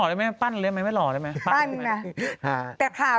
เลยไหมปั้นเลยมั้ยไม่หรอกอะไรไหมปั้นแล้วแต่ข่าว